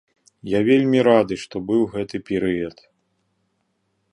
Я вельмі рады, што быў гэты перыяд.